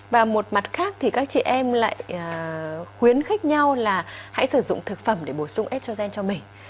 và một mặt khác thì các chị em lại khuyến khích nhau là hãy sử dụng thực phẩm để bổ sung estrogen cho mình